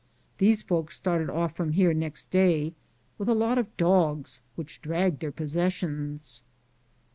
These folks started off from here next day with a lot of dogs which, dragged their possessions.